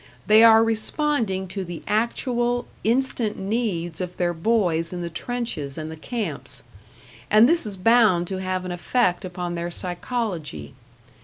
They are responding to the actual, instant needs of their boys in the trenches and the camps; and this is bound to have an effect upon their psychology.